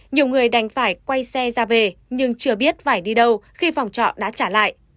nhiều người đành phải quay xe ra về nhưng chưa biết phải đi đâu khi phòng trọ đã trả lại